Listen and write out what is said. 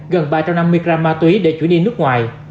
gần ba trăm năm mươi gram ma túy để chuyển đi nước ngoài